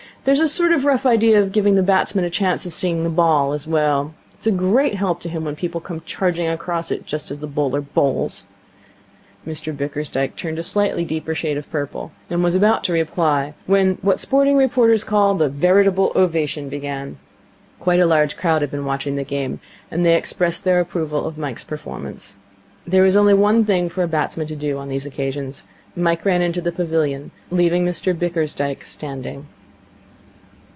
There's a sort of rough idea of giving the batsman a chance of seeing the ball, as well. It's a great help to him when people come charging across it just as the bowler bowls.' Mr Bickersdyke turned a slightly deeper shade of purple, and was about to reply, when what sporting reporters call 'the veritable ovation' began. Quite a large crowd had been watching the game, and they expressed their approval of Mike's performance. There is only one thing for a batsman to do on these occasions. Mike ran into the pavilion, leaving Mr Bickersdyke standing.